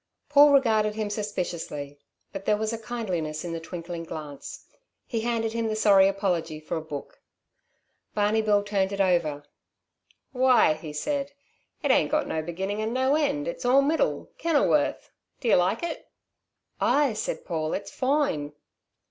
Paul regarded him suspiciously; but there was kindliness in the twinkling glance. He handed him the sorry apology for a book. Barney Bill turned it over. 'Why, said he, "it ain't got no beginning and no end. It's all middle. 'Kenilworth.' Do yer like it?" "Ay!" said Paul. "It's foine."